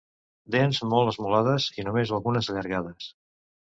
Dents molt esmolades i, només algunes, allargades.